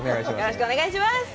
よろしくお願いします。